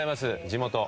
地元。